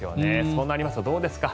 そうなりますとどうですか。